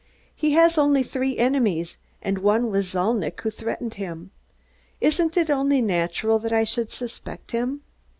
He had only three enemies and one was Zalnitch, who threatened him. Isn't it only natural that I should suspect him?"